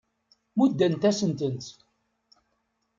Muddent-asen-tent.